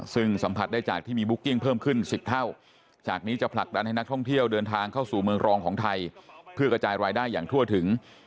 ซึ่งสัมผัสได้จากที่มีบุ๊กกิ้งเพิ่มขึ้น๑๐เท่าจากนี้จะผลักดันให้นักท่องเที่ยวเดินทางเข้าสู่เมืองรองของไทยเพื่อกระจายรายได้อย่างทั่วถึง